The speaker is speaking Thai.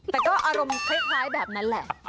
แต่ก็อารมณ์คล้ายแบบนั้นแหละ